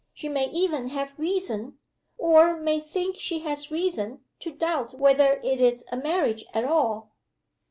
She may even have reason or may think she has reason to doubt whether it is a marriage at all.